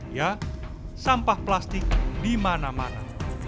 ya sampah plastik di mana mana